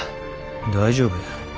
大丈夫や。